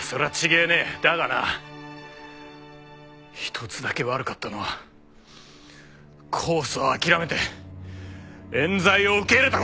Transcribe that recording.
だがな一つだけ悪かったのは控訴を諦めて冤罪を受け入れた事だ！